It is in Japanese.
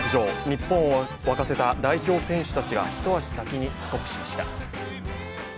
日本を沸かせた代表選手たちが一足先に帰国しました。